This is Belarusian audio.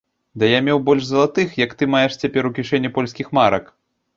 Да я меў больш залатых, як ты маеш цяпер у кішэні польскіх марак.